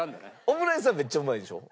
オムライスはめっちゃうまいでしょ？